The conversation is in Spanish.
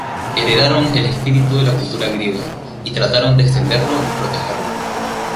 Heredaron el espíritu de la cultura griega y trataron de extenderlo y protegerlo.